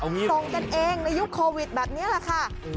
ส่งกันเองในยุคโควิดแบบนี้แหละค่ะ